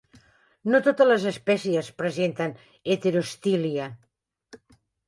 No totes les espècies presenten heterostilia.